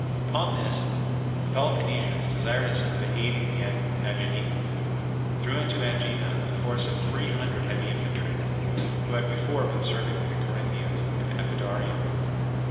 Upon this the Peloponnesians, desirous of aiding the Aeginetans, threw into Aegina a force of three hundred heavy infantry, who had before been serving with the Corinthians and Epidaurians.